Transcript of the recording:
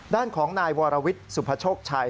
ด้านของนายวรวิทย์สุภาโชคชัย